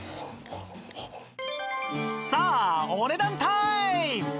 さあお値段タイム！